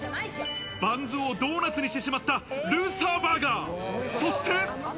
バンズをドーナツにしてしまったルーサーバーガー、そして。